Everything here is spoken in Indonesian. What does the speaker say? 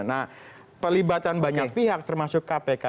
nah pelibatan banyak pihak termasuk kpk